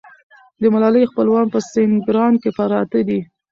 د ملالۍ خپلوان په سینګران کې پراته دي.